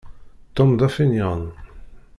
Tom d afenyan.